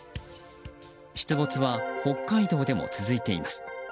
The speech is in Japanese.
出没は北海道でも続いています。